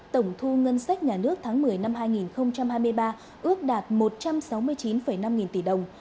tổng thu ngân sách nhà nước tháng một mươi năm hai nghìn hai mươi ba ước đạt một trăm sáu mươi chín năm nghìn tỷ đồng